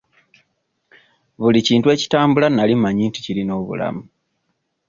Buli kintu ekitambula nali mmanyi nti kirina obulamu.